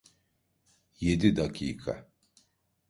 Yedi dakika.